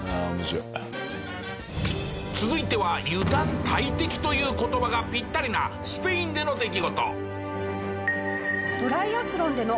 続いては油断大敵という言葉がピッタリなスペインでの出来事。